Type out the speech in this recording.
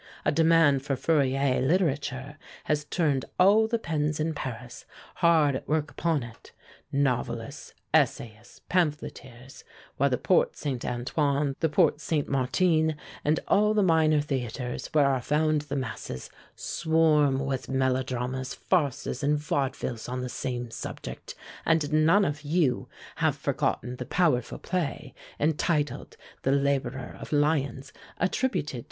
A demand for Fourier literature has turned all the pens in Paris hard at work upon it novelists, essayists, pamphleteers while the Porte St. Antoine, the Porte St. Martin and all the minor theatres, where are found the masses, swarm with melodramas, farces and vaudevilles on the same subject, and none of you have forgotten the powerful play, entitled 'The Laborer of Lyons,' attributed to M.